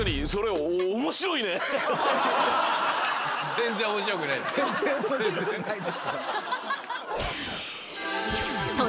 全然面白くないですよ。